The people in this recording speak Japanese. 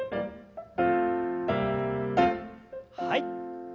はい。